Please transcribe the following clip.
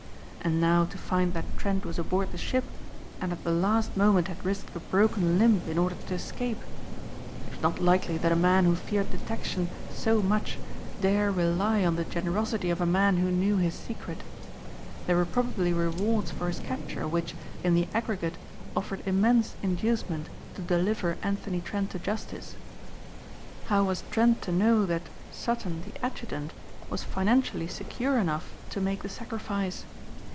And now to find that Trent was aboard the ship and at the last moment had risked a broken limb in order to escape. It was not likely that a man who feared detection so much dare rely on the generosity of a man who knew his secret. There were probably rewards for his capture which, in the aggregate, offered immense inducement to deliver Anthony Trent to justice. How was Trent to know that Sutton the adjutant was financially secure enough to make the sacrifice?